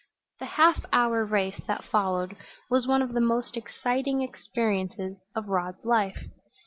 The half hour race that followed was one of the most exciting experiences of Rod's life.